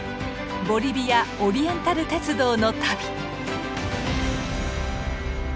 ボリビア・オリエンタル鉄道の旅。